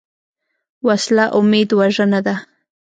وسله امید وژنه ده